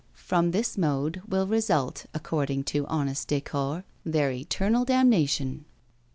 From this mode will result, according to honest Des Caures, their eternal damnation.